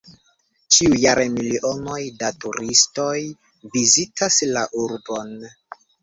Ĉiujare milionoj da turistoj vizitas la urbon.